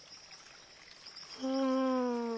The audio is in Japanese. うん。